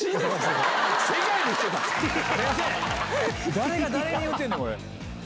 誰が誰に言うてんねん！